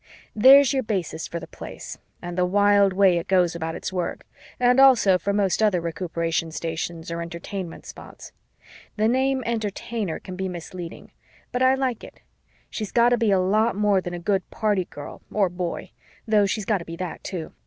There's your basis for the Place and the wild way it goes about its work, and also for most other Recuperation Stations or Entertainment Spots. The name Entertainer can be misleading, but I like it. She's got to be a lot more than a good party girl or boy though she's got to be that too.